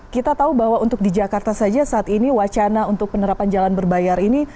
kita tahu bahwa untuk di jakarta saja saat ini wacana untuk penerapan jalan berbayar ini